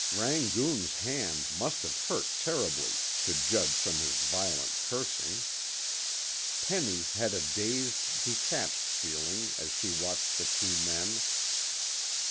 Rangoon's hand must have hurt terribly, to judge from his violent cursing. Penny had a dazed, detached feeling as she watched the two men.